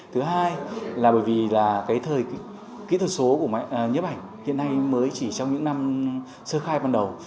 thứ hai là bởi vì là cái kỹ thuật số của nhếp ảnh hiện nay mới chỉ trong những năm sơ khai ban đầu